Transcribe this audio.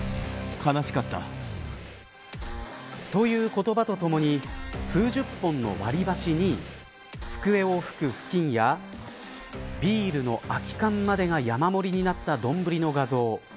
悲しかった。という言葉とともに数十本の割り箸に机を拭く布巾やビールの空き缶までが山盛りになったどんぶりの画像。